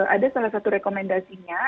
ada salah satu rekomendasinya